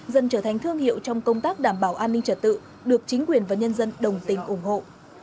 dần trở thành thương hiệu trong công tác đảm bảo an ninh trật tự được chính quyền và nhân dân đồng tình ủng hộ